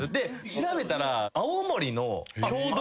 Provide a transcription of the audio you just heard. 調べたら。